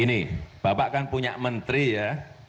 ini bapak kan punya menteri ya tiga puluh empat